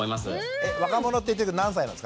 えっ若者って言ってるけど何歳なんですか？